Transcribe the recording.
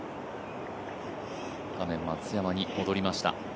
画面、松山に戻りました。